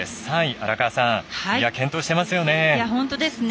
荒川さん健闘していますよね。